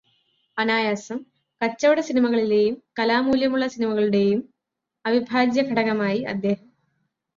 അനായാസം കച്ചവട സിനിമകളിലെയും കലാമൂല്യമുള്ള സിനിമകളുടെയും അവിഭാജ്യഘടകമായി അദ്ദേഹം.